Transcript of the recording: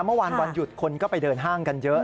วันหยุดคนก็ไปเดินห้างกันเยอะ